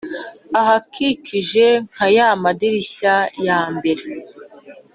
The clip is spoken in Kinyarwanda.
ahakikije nka ya madirishya ya mbere